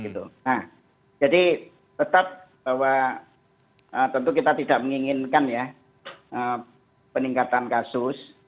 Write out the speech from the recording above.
nah jadi tetap bahwa tentu kita tidak menginginkan ya peningkatan kasus